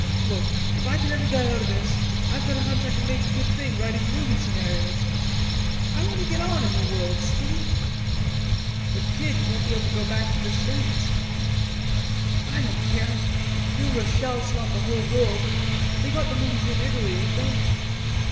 Look, if I can ever get out o' this, I've got a hunch I can make a good thing writing movie scenarios. I want to get on in the world, Skinny." "But, Kid, you won't be able to go back to the States." "I don't care. New Rochelle's not the whole world. They got the movies in Italy, ain't they?"